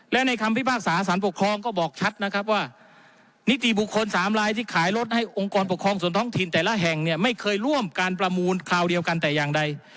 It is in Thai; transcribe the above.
และในคำพิพากษาสารปกครองก็บอกชัดนะครับว่านิติบุคคลสามลายที่ขายรถให้องค์กรปกครองส่วนท้องถิ่นแต่ละแห่งเนี่ยไม่เคยร่วมการประมูลคราวเดียวกันแต่อย่างใด